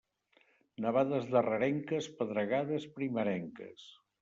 Nevades darrerenques, pedregades primerenques.